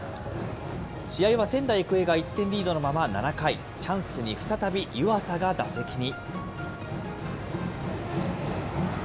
試合は仙台育英が１点リードのまま７回、チャンスに再び湯浅が打席に。